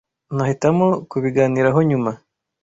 Nahitamo kubiganiraho nyuma.